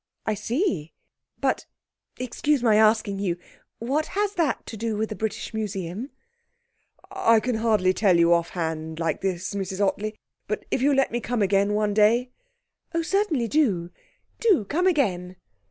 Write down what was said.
'I see. But excuse my asking you, what has that to do with the British Museum?' 'I can hardly tell you off hand like this, Mrs Ottley; but if you let me come again one day ' 'Oh, certainly, do do come again.'